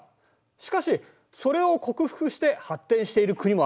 しかしそれを克服して発展している国もあるんだぞ。